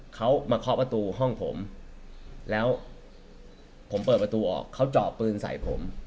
เขามาเคาะประตูห้องผมแล้วผมเปิดประตูออกเขาเจาะปืนใส่ผม